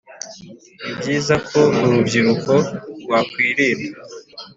ni byiza ko urubyiruko rwakwirinda